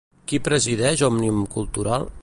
Qui presideix Òmnium Cultural?